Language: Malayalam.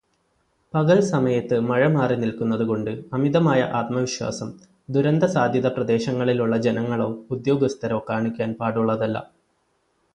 പകൽ സമയത്ത് മഴ മാറി നിൽക്കുന്നത് കൊണ്ട് അമിതമായ ആത്മവിശ്വാസം ദുരന്തസാധ്യതപ്രദേശങ്ങളിലുള്ള ജനങ്ങളോ ഉദ്യോഗസ്ഥരോ കാണിക്കാൻ പാടുള്ളതല്ല.